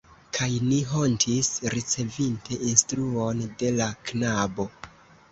Kaj ni hontis, ricevinte instruon de la knabo.